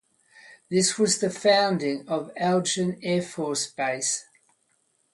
This was the founding of Eglin Air Force Base.